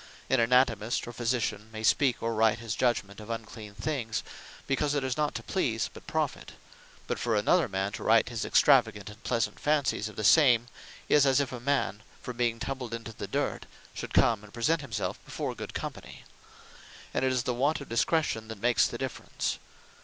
An Anatomist, or a Physitian may speak, or write his judgement of unclean things; because it is not to please, but profit: but for another man to write his extravagant, and pleasant fancies of the same, is as if a man, from being tumbled into the dirt, should come and present himselfe before good company. And 'tis the want of Discretion that makes the difference.